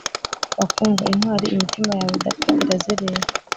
Bakundwa intwari imitima yawe idapfa irazerera